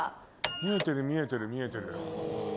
見えてる見えてる見えてる。